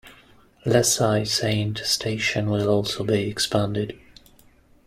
LaSalle Saint Station will also be expanded.